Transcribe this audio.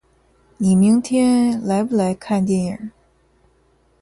你明天来不来看电影？